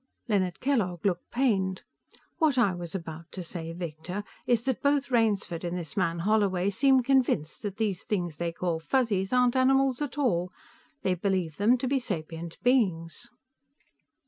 Leonard Kellogg looked pained. "What I was about to say, Victor, is that both Rainsford and this man Holloway seem convinced that these things they call Fuzzies aren't animals at all. They believe them to be sapient beings."